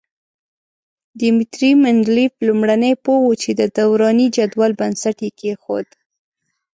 دیمتري مندلیف لومړنی پوه وو چې د دوراني جدول بنسټ یې کېښود.